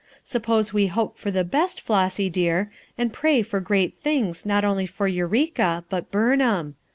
Suppose we hope for the best, Flossy dear, and pray for great things not only for Eureka, but Burnham.